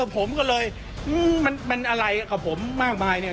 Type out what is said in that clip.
ผมก็เลยมันอะไรกับผมมากมายเนี่ย